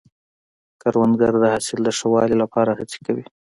کروندګر د حاصل د ښه والي لپاره هڅې کوي